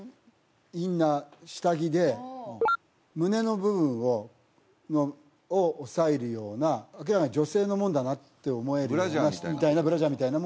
インナー下着で胸の部分をおさえるような明らかに女性のものだなって思えるようなブラジャーみたいな？